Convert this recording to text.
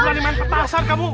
ulan main petasar kamu